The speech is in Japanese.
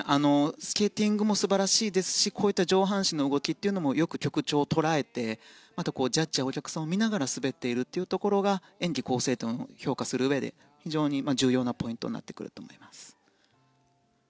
スケーティングも素晴らしいですしこういった上半身の動きもよく曲調を捉えてジャッジやお客さんを見ながら滑っているところが演技構成点を評価するうえで非常に重要なポイントになります。